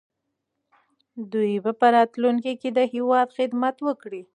دوی به په راتلونکي کې د هېواد خدمت وکړي.